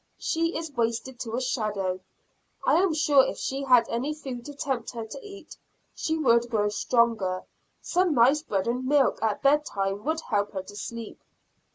She is wasted to a shadow; I am sure if she had any food to tempt her to eat she would grow stronger; some nice bread and milk at bed time would help her to sleep.